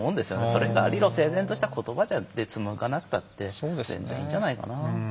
それが理路整然とした言葉でつむがなくたって全然いいんじゃないかな。